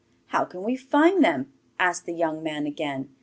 'How can we find them?' asked the young man again.